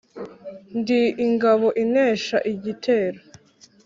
ndi ingabo inesha igitero.